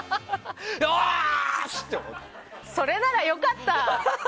それなら良かった！